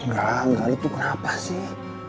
enggak enggak itu kenapa sih